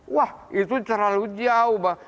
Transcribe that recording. wah itu terlalu jauh